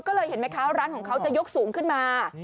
ก็เลยเห็นไหมคะร้านของเขาจะยกสูงขึ้นมา